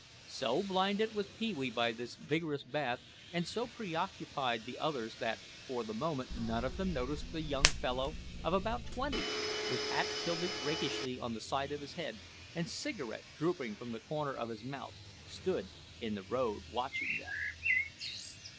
So blinded was Pee wee by this vigorous bath and so preoccupied the others that for the moment none of them noticed the young fellow of about twenty who, with hat tilted rakishly on the side of his head and cigarette drooping from the corner of his mouth, stood in the road watching them.